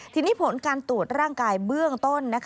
ทีนี้ผลการตรวจร่างกายเบื้องต้น